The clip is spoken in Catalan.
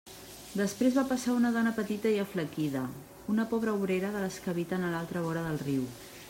Després va passar una dona petita i aflaquida, una pobra obrera de les que habiten a l'altra vora del riu.